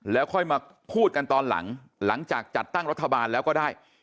แล้วค่อยมาพูดกันตอนหลังหลังจากจัดตั้งรัฐบาลแล้วก็ได้